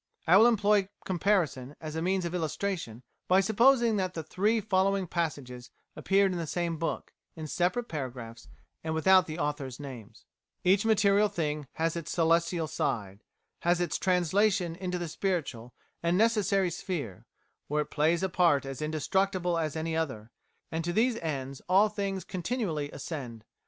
I will employ comparison as a means of illustration by supposing that the three following passages appeared in the same book in separate paragraphs and without the authors' names: "Each material thing has its celestial side, has its translation into the spiritual and necessary sphere, where it plays a part as indestructible as any other, and to these ends all things continually ascend.